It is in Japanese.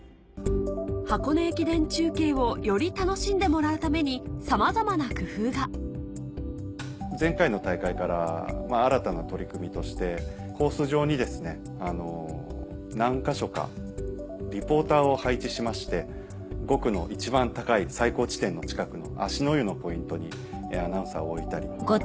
箱根駅伝中継をより楽しんでもらうためにさまざまな工夫が前回の大会から新たな取り組みとしてコース上にですね何か所かリポーターを配置しまして５区の一番高い最高地点の近くの芦之湯のポイントにアナウンサーを置いたり。